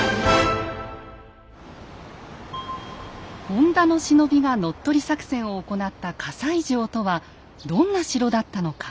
本田の忍びが乗っ取り作戦を行った西城とはどんな城だったのか。